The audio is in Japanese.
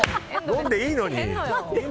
飲んでいいのに。